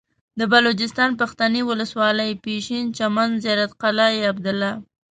د بلوچستان پښتنې ولسوالۍ پشين چمن زيارت قلعه عبدالله